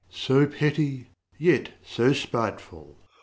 So petty yet so spiteful!